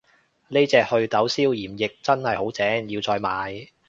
呢隻袪痘消炎液真係好正，要再買